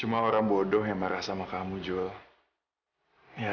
hanya orang bodoh yang marahkan kamu jules